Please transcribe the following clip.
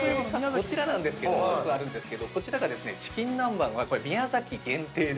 こちらなんですけど、もう一つあるんですけど、こちらがですね、チキン南蛮は宮崎限定で。